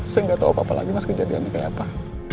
saya nggak tahu apa apa lagi mas kejadiannya kayak apa